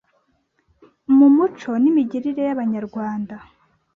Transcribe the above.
mu muco n’imigirire y’Abanyarwanda,